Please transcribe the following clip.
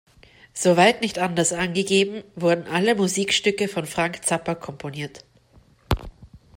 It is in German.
Soweit nicht anders angegeben, wurden alle Musikstücke von Frank Zappa komponiert.